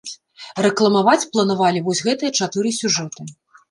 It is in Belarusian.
Рэкламаваць планавалі вось гэтыя чатыры сюжэты.